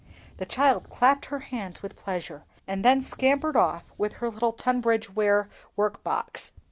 The child clapped her hands with pleasure, and then scampered off for her little Tunbridge ware work box.